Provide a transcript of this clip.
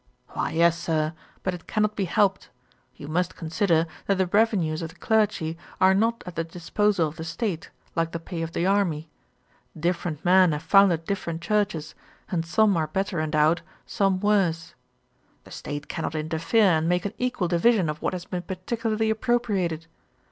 'Why yes, Sir; but it cannot be helped. You must consider, that the revenues of the clergy are not at the disposal of the state, like the pay of the army. Different men have founded different churches; and some are better endowed, some worse. The State cannot interfere and make an equal division of what has been particularly appropriated.